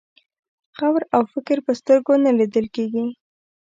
غور او فکر په سترګو نه لیدل کېږي.